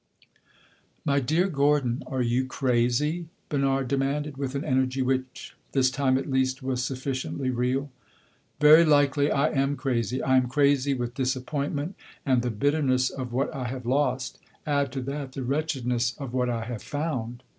"My dear Gordon, are you crazy?" Bernard demanded, with an energy which, this time at least, was sufficiently real. "Very likely I am crazy. I am crazy with disappointment and the bitterness of what I have lost. Add to that the wretchedness of what I have found!"